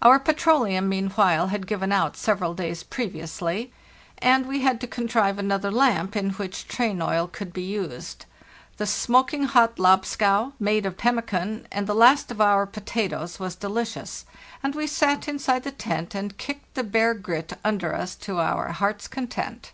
Our petroleum, meanwhile, had given out several days previously, and we had to contrive another lamp in which train oil could be used. The smoking hot lobscouse, made of pemmican and the last of our potatoes, was delicious, and we sat inside the tent and kicked the bare grit under us to our heart's content.